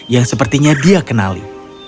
yang sepertinya dia kenali